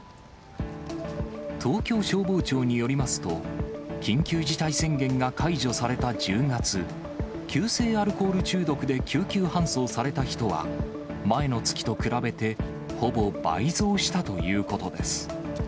東京消防庁によりますと、緊急事態宣言が解除された１０月、急性アルコール中毒で救急搬送された人は、前の月と比べて、ほぼ倍増したということです。